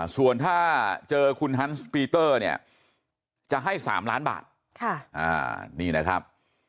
ส่วนถ้าเจอคุณฮันส์ปีเตอร์เนี่ยจะให้๓ล้านบาทนี่นะครับ